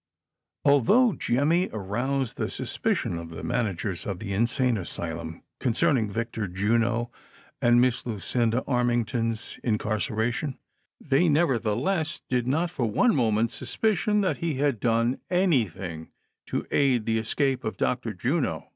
ILTIIOUGH Jemmy aroused the suspicion of tlie Managers of the Insane Asylum concerning Victor Juno and Miss Lucinda Armington's in carceration, they nevertlieless did not for one moment suspicion that he had done anything to aid the escape of Dr. Juno.